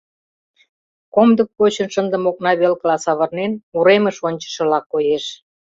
Комдык почын шындыме окна велкыла савырнен, уремыш ончышыла коеш.